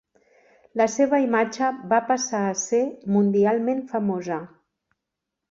La seva imatge va passar a ser mundialment famosa.